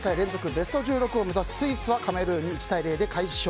ベスト１６を目指すスイスはカメルーンに１対０で快勝。